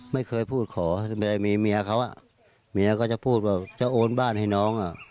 ไม่เคยพูดขอเลยมีเมียเขาอ่ะเมียก็จะพูดว่าจะโอนบ้านให้น้องอ่ะ